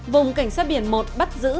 vùng cảnh sát biển một bắt giữ